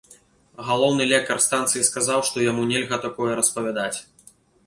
Галоўны лекар станцыі сказаў, што яму нельга такое распавядаць.